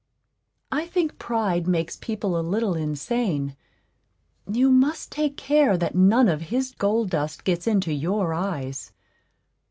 I think Pride makes people a little insane; you must take care that none of his gold dust gets into your eyes.